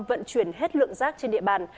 vận chuyển hết lượng rác trên địa bàn